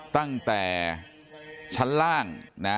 ตั้งแต่ชั้นล่างนะ